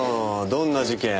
どんな事件？